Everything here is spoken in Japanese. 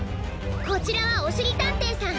こちらはおしりたんていさん。